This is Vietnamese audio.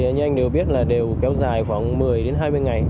như anh đều biết là đều kéo dài khoảng một mươi đến hai mươi ngày